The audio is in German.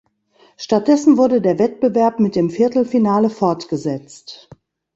Stattdessen wurde der Wettbewerb mit dem Viertelfinale fortgesetzt.